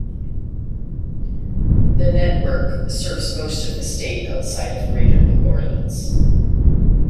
The network serves most of the state outside of Greater New Orleans.